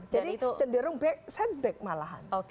jadi cenderung setback malahan